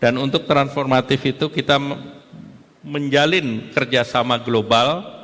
dan untuk transformatif itu kita menjalin kerjasama global